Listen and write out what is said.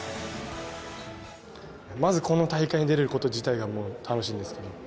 まずこの大会に出れること自体が楽しみですね。